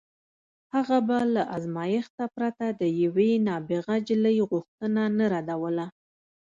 هغه به له ازمایښت پرته د یوې نابغه نجلۍ غوښتنه نه ردوله